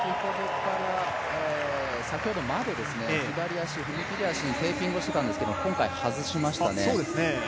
先ほどまで左足、踏み切り足にテーピングをしてたんですが今回、外しましたね。